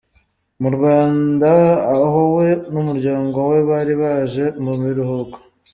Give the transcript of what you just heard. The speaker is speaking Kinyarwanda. mu Rwanda aho we n'umuryango we bari baje mu biruhuko.